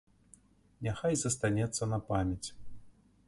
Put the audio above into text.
Няхай застанецца на памяць!